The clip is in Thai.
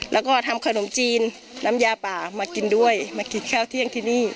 แล้วก็ทำขนมจีนน้ำยาป่ามากินด้วยมากินข้าวเที่ยงที่นี่